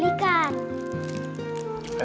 sekarang ini adanya